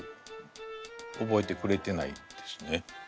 覚えてくれてないですね。